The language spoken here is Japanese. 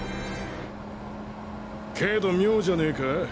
けど妙じゃねぇか？